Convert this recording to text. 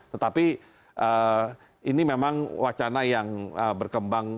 tetapi ini memang wacana yang berkembang